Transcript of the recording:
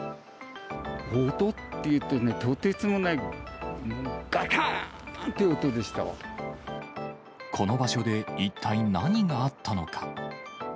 音っていうとね、とてつもなこの場所で一体何があったのか。